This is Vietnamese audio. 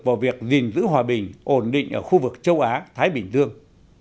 vào việc gìn giữ hòa bình ổn định ở khu vực châu á thái bình dương